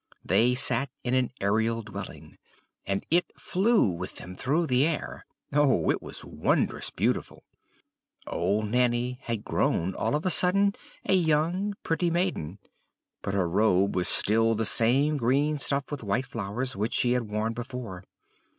They sat in an aerial dwelling, and it flew with them through the air. Oh, it was wondrous beautiful! Old Nanny had grown all of a sudden a young and pretty maiden; but her robe was still the same green stuff with white flowers, which she had worn before.